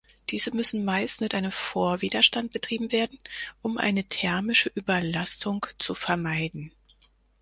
Diese müssen meist mit einem Vorwiderstand betrieben werden, um eine thermische Überlastung zu vermeiden.